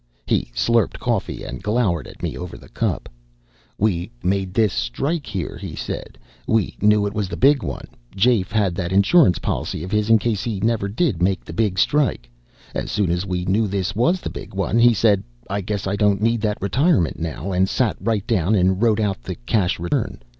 He slurped coffee, and glowered at me over the cup. "We made this strike here," he said. "We knew it was the big one. Jafe had that insurance policy of his in case he never did make the big strike. As soon as we knew this was the big one, he said, 'I guess I don't need that retirement now,' and sat right down and wrote out the cash return.